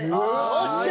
よっしゃ！